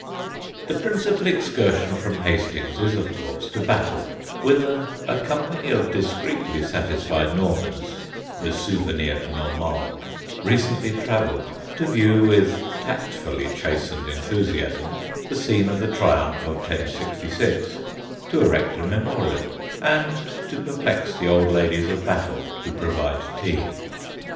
The principal excursion from Hastings is of course to Battle, whither a company of discreetly satisfied Normans Le Souvenir Normande recently travelled, to view with tactfully chastened enthusiasm the scene of the triumph of 1066; to erect a memorial; and to perplex the old ladies of Battle who provide tea.